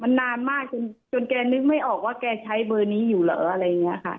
มันนานมากจนแกนึกไม่ออกว่าแกใช้เบอร์นี้อยู่เหรออะไรอย่างนี้ค่ะ